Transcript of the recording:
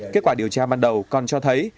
kết quả điều tra ban đầu còn cho thấy